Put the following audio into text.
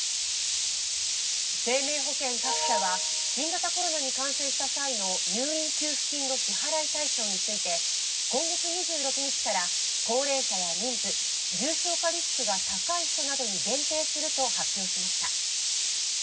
生命保険各社は新型コロナに感染した際の入院給付金の支払い対象について今月２６日から、高齢者や妊婦重症化リスクが高い人などに限定すると発表しました。